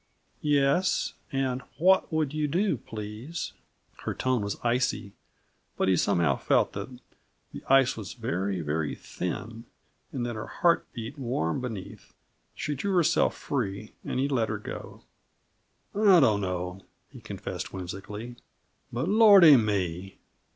"Yes? And what would you do, please?" Her tone was icy, but he somehow felt that the ice was very, very thin, and that her heart beat warm beneath. She drew herself free, and he let her go. "I dunno," he confessed whimsically. "But Lordy me!